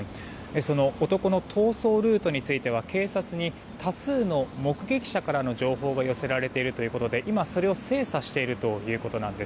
その男の逃走ルートについては警察に多数の目撃者からの情報が寄せられているということで今、それを精査しているということです。